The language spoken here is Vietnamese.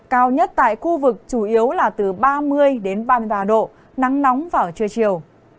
cao nhất tại khu vực chủ yếu là từ ba mươi đến ba mươi ba độ nắng nóng vào trưa chiều